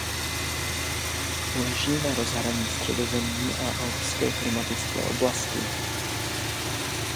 Leží na rozhraní středozemní a alpské klimatické oblasti.